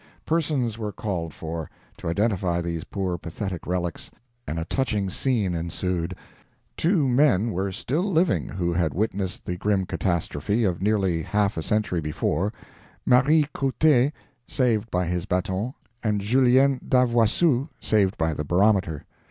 Persons were called for, to identify these poor pathetic relics, and a touching scene ensued. Two men were still living who had witnessed the grim catastrophe of nearly half a century before Marie Couttet (saved by his baton) and Julien Davouassoux (saved by the barometer).